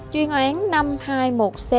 chuyên án năm trăm hai mươi một c